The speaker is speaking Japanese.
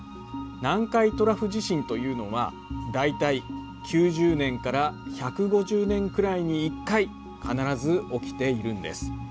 南海トラフ地震というのは大体９０年から１５０年くらいに１回必ず起きているんです。